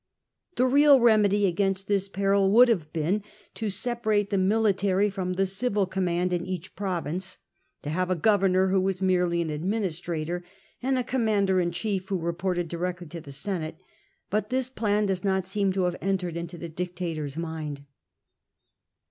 The real remedy against this peril would have been to separate the military from the civil command in each province — to have a governor who was merely an administrator, and a commander in chief who reported directly to the Senate. But this plan does not seem to have entered into the dictator's mind.